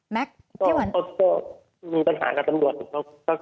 แม็กซ์พี่หวันต้องมีปัญหากับตำรวจสักส่วน